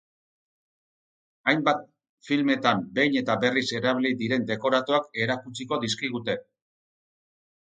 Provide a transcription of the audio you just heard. Hainbat filmetan behin eta berriz erabili diren dekoratuak erakutsiko dizkigute.